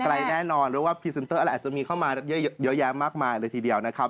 แน่นอนหรือว่าพรีเซนเตอร์อะไรอาจจะมีเข้ามาเยอะแยะมากมายเลยทีเดียวนะครับ